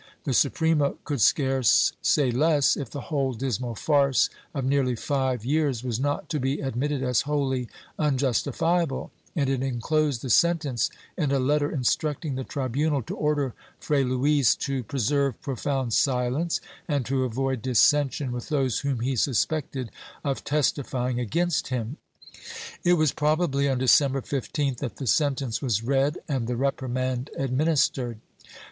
The Suprema could scarce say less, if the whole dismal farce, of nearly five years, was not to be admitted as wholly unjustifiable, and it enclosed the sentence in a letter instructing the tribunal to order Fray Luis to preserv^e profound silence and to avoid dissension with those whom he suspected of testifying against him. It was probably on December 15th that the sentence was read and the reprimand administered.